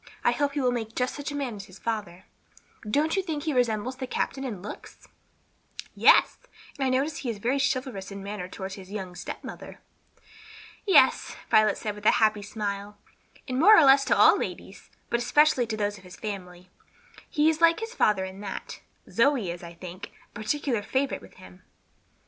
I hope he will make just such a man as his father. Don't you think he resembles the captain in looks?" "Yes, and I notice he is very chivalrous in his manner toward his young stepmother." "Yes," Violet said, with a happy smile, "and more or less to all ladies; but especially those of this family. He is like his father in that. Zoe is, I think, a particular favorite with him."